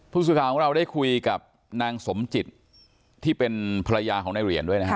ผู้สื่อข่าวของเราได้คุยกับนางสมจิตที่เป็นภรรยาของนายเหรียญด้วยนะฮะ